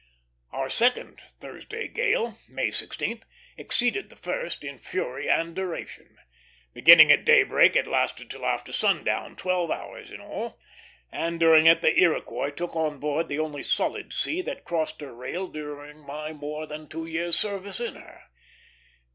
Our second Thursday gale, May 16th, exceeded the first in fury and duration. Beginning at daybreak, it lasted till after sundown, twelve hours in all; and during it the Iroquois took on board the only solid sea that crossed her rail during my more than two years' service in her.